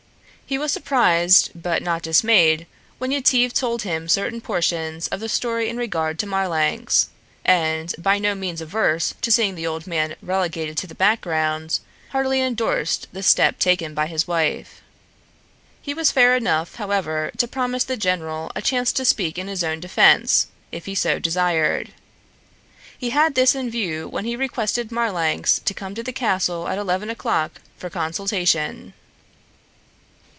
He was surprised but not dismayed when Yetive told him certain portions of the story in regard to Marlanx; and, by no means averse to seeing the old man relegated to the background, heartily endorsed the step taken by his wife. He was fair enough, however, to promise the general a chance to speak in his own defense, if he so desired. He had this in view when he requested Marlanx to come to the castle at eleven o'clock for consultation.